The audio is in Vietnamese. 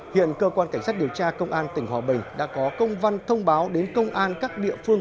hiện cơ quan cảnh sát điều tra công an tỉnh hòa bình đã có công văn thông báo đến công an các địa phương